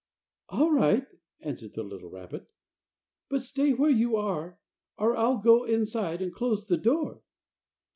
"All right," answered the little rabbit; "but stay where you are or I'll go inside and close the door."